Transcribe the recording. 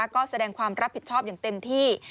ก็แสดงความรับผิดชอบอย่างเต็มที่